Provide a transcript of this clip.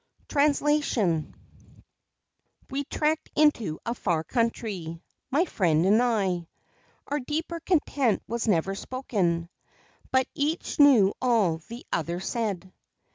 TRANSLATION We trekked into a far country, My friend and I. Our deeper content was never spoken, But each knew all the other said.